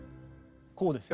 こうですよ。